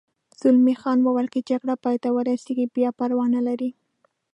زلمی خان وویل: که جګړه پای ته ورسېږي بیا پروا نه لري.